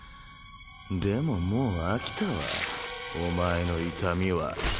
でももう飽きたわお前の痛みは。